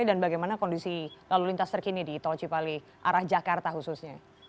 dan bagaimana kondisi lalu lintas terkini di tau cipali arah jakarta khususnya